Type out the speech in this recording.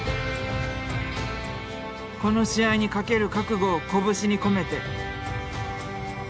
この試合に懸ける覚悟を拳に込めて。